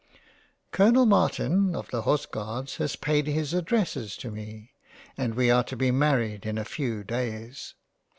Colonel Martin of the Horse guards has paid his Addresses to me, and we are to be married in a few days.